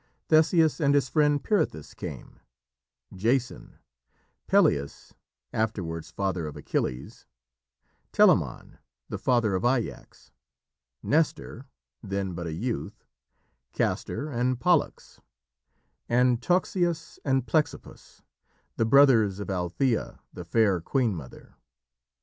Theseus and his friend Pirithous came; Jason; Peleus, afterwards father of Achilles; Telamon, the father of Ajax; Nestor, then but a youth; Castor and Pollux, and Toxeus and Plexippus, the brothers of Althæa, the fair queen mother.